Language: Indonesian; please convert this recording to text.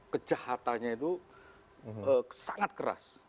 kejahatannya itu sangat keras